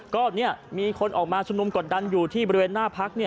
ก็มีคนออกมาชุมนุมกดดันอยู่ที่บริเวณหน้าพัก